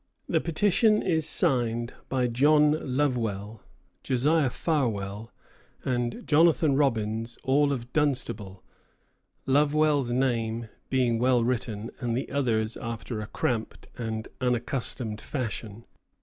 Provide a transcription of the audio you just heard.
The petition is signed by John Lovewell, Josiah Farwell, and Jonathan Robbins, all of Dunstable, Lovewell's name being well written, and the others after a cramped and unaccustomed fashion.